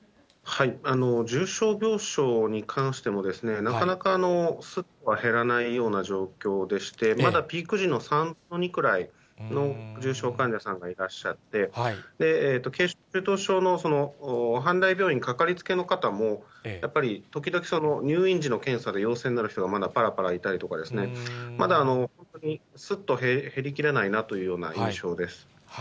重症病床に関してもなかなか、すっとは減らないような状況でして、まだピーク時の３分の２くらいの重症患者さんがいらっしゃって、軽症、中等症の阪大病院かかりつけの方も、やっぱり時々、入院時の検査で陽性になる人がまだぱらぱらいたりとか、まだすっと減りきらないなというような印象です。